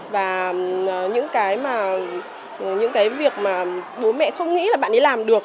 và những cái việc mà bố mẹ không nghĩ là bạn ấy làm được